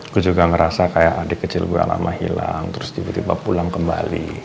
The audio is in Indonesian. gue juga ngerasa kayak adik kecil gue lama hilang terus tiba tiba pulang kembali